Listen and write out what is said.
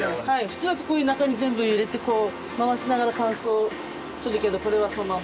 普通だと中に全部入れてこう回しながら乾燥するけどこれはそのまま。